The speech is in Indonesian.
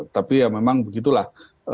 tapi memang begitulah